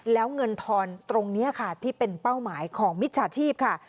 แล้วเงินทอนตรงนี้ค่ะที่เป็นเป้าหมายของมิจฉาชีพค่ะ